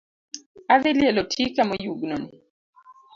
Adhi lielo tika moyugno ni